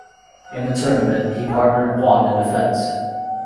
In the tournament, he partnered Juan in defence.